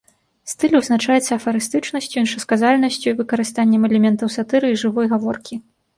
Стыль вызначаецца афарыстычнасцю, іншасказальнасцю, выкарыстаннем элементаў сатыры і жывой гаворкі.